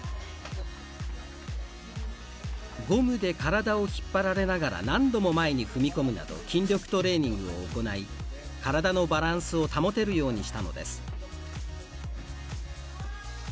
ゴムで体を引っ張られながら何度も前に踏み込むなど筋力トレーニングを行い体のバランスを保てるようにしたのです。